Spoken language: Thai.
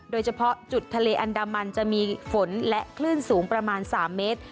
โดยเฉพาะจุดทะเลอันดามันจะมีฝนและคลื่นสูงประมาณ๓เมตร